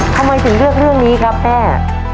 ทำไมถึงเลือกเรื่องนี้ครับแม่